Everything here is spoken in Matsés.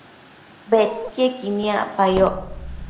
bedquiequi niacpayoc